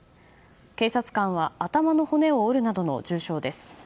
警察官は頭の骨を折るなどの重傷です。